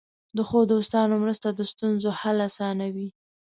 د ښو دوستانو مرسته د ستونزو حل آسانوي.